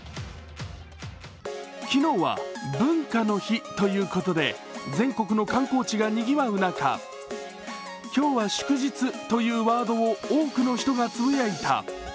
昨日は文化の日ということで、全国の観光地がにぎわう中今日は祝日というワードを多くの人がつぶやいた。